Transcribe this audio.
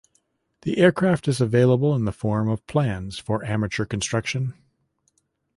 The aircraft is available in the form of plans for amateur construction.